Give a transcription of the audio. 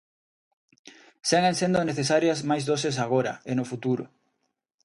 Seguen sendo necesarias máis doses agora, e no futuro.